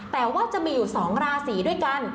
แต่ว่าจะมีอยู่๒ราศีด้วยกัน